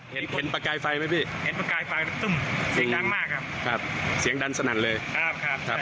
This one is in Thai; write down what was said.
เห็นประกายไฟไหมพี่เสียงดันสนั่นเลยครับครับครับ